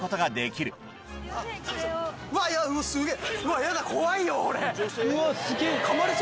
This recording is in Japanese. うわすげぇ！